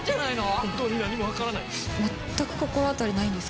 本当に何も分からないんです。